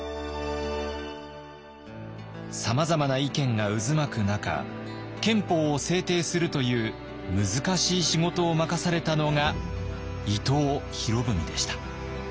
さまざまな意見が渦巻く中憲法を制定するという難しい仕事を任されたのが伊藤博文でした。